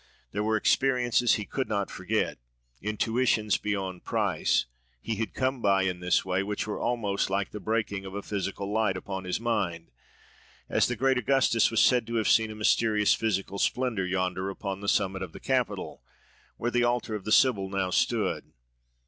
There were experiences he could not forget, intuitions beyond price, he had come by in this way, which were almost like the breaking of a physical light upon his mind; as the great Augustus was said to have seen a mysterious physical splendour, yonder, upon the summit of the Capitol, where the altar of the Sibyl now stood.